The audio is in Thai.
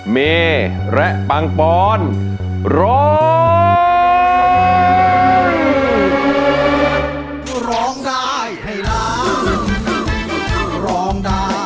เมย์แหละปังปอนด์ร้อง